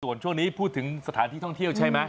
ส่วนช่วงนี้พูดถึงสถานที่ท่องเที่ยวใช่ไหม